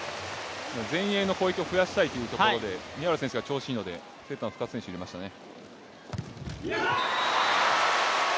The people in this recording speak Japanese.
前衛の攻撃を増やしたいというところで宮浦選手が調子がいいのでセッターの深津選手入れましたね。